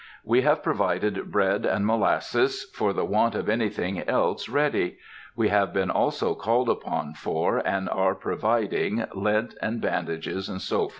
We have provided bread and molasses, for the want of anything else ready. We have been also called upon for, and are providing, lint and bandages, &c., &c.